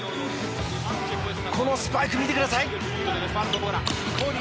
このスパイクを見てください。